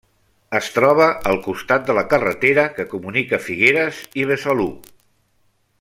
Es troba al costat de la carretera que comunica Figueres i Besalú.